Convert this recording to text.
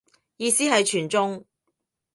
意思係全中